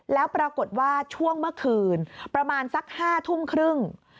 แล้วปรากฏว่าช่วงเมื่อคืนประมาณสัก๕ทุ่มครึ่ง